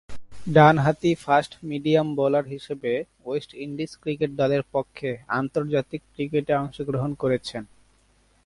ডানহাতি fast medium bowler হিসেবে West Indies cricket দলের পক্ষে আন্তর্জাতিক ক্রিকেটে অংশগ্রহণ করছেন।